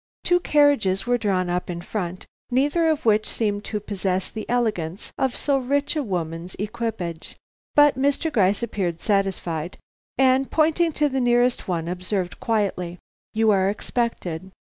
Two carriages were drawn up in front, neither of which seemed to possess the elegance of so rich a woman's equipage. But Mr. Gryce appeared satisfied, and pointing to the nearest one, observed quietly: "You are expected.